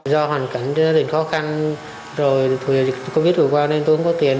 do hoàn cảnh rất là khó khăn rồi covid vừa qua nên tôi không có tiền